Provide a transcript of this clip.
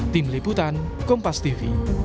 tim liputan kompas tv